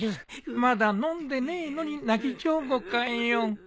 まだ飲んでねえのに泣き上戸かよ。